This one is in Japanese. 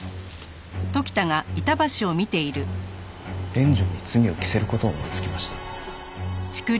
連城に罪を着せる事を思いつきました。